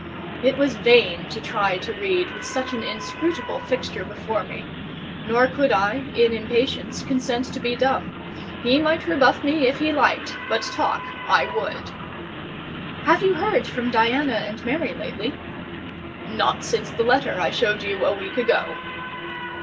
It was vain to try to read with such an inscrutable fixture before me; nor could I, in impatience, consent to be dumb; he might rebuff me if he liked, but talk I would. "Have you heard from Diana and Mary lately?" "Not since the letter I showed you a week ago."